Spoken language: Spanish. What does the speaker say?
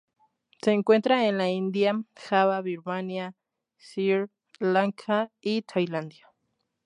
Se encuentra en la India, Java, Birmania, Sri Lanka, y Tailandia.